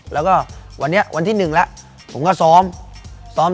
แล้วก็วันนี้วันที่๑แล้วผมก็ซ้อมซ้อม